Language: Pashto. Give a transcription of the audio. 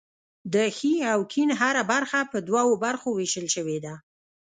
د ښي او کیڼ هره برخه په دوو برخو ویشل شوې ده.